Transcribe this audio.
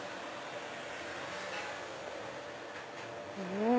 うん！